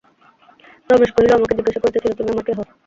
রমেশ কহিল, আমাকে জিজ্ঞাসা করিতেছিল তুমি আমার কে হও?